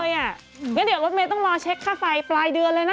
งั้นเดี๋ยวรถเมย์ต้องรอเช็คค่าไฟปลายเดือนเลยนะ